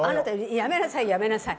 やめなさいやめなさい。